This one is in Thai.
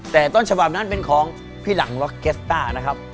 แต่ต้นฉบับนั้นเป็นของพี่หลังล็อกเกสต้านะครับ